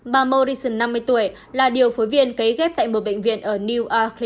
bà moriton năm mươi tuổi là điều phối viên cấy ghép tại một bệnh viện ở newark